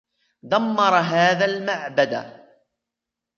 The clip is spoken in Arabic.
دَمّر هذا المعبَد.